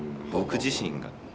僕自身が。